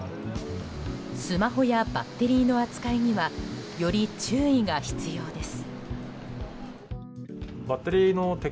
スマホやバッテリーの扱いにはより注意が必要です。